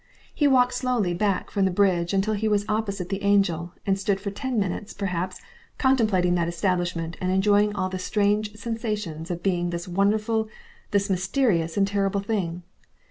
He walked slowly back from the bridge until he was opposite the Angel, and stood for ten minutes, perhaps, contemplating that establishment and enjoying all the strange sensations of being this wonderful, this mysterious and terrible thing.